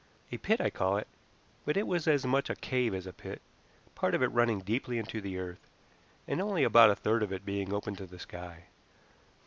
A pit I call it, but it was as much a cave as a pit, part of it running deeply into the earth, and only about a third of it being open to the sky.